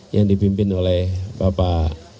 yang dipimpin oleh bapak